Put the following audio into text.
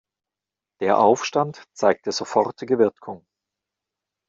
Der Aufstand zeigte sofortige Wirkung.